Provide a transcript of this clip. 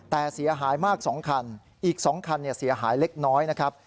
แต่เสียหายมาก๒คันอีก๒คันเสียหายเล็กน้อยนะครับ